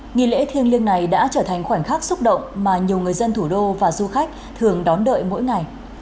nghi lễ thiêng liêng này đã trở thành khoảnh khắc xúc động mà nhiều người dân thủ đô và du khách thường đón đợi mỗi ngày